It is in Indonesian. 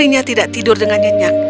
istrinya tidak tidur dengan nyenyak